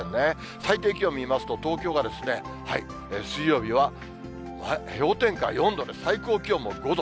最低気温見ますと、東京が水曜日は氷点下４度で、最高気温も５度。